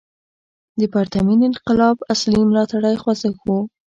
د پرتمین انقلاب اصلي ملاتړی خوځښت و.